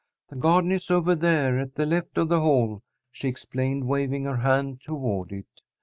The garden is over there at the left of the Hall," she explained, waving her hand toward it.